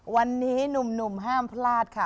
วันนี้หนุ่มห้ามพลาดค่ะ